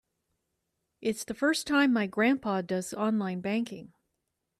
It's the first time my grandpa does online banking.